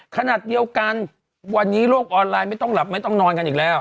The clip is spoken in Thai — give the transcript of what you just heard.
ขนาดเดียวกันวันนี้โลกออนไลน์ไม่ต้องหลับไม่ต้องนอนกันอีกแล้ว